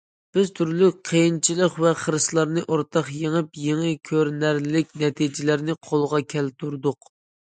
بىز تۈرلۈك قىيىنچىلىق ۋە خىرىسلارنى ئورتاق يېڭىپ، يېڭى، كۆرۈنەرلىك نەتىجىلەرنى قولغا كەلتۈردۇق.